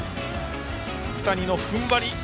福谷の踏ん張り。